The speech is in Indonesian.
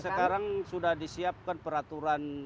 sekarang sudah disiapkan peraturan